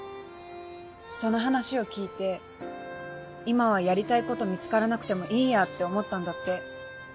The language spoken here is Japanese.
その話を聞いて今はやりたいこと見つからなくてもいいやって思ったんだって